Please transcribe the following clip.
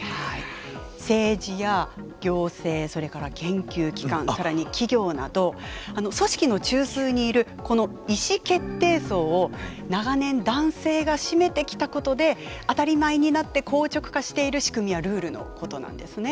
政治や行政それから研究機関更に企業など組織の中枢にいるこの意思決定層を長年男性が占めてきたことで当たり前になって硬直化している仕組みやルールのことなんですね。